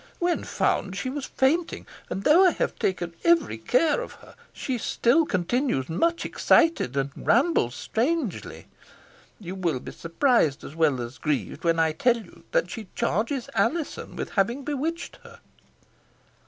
When found, she was fainting, and though I have taken every care of her, she still continues much excited, and rambles strangely. You will be surprised as well as grieved when I tell you, that she charges Alizon with having bewitched her."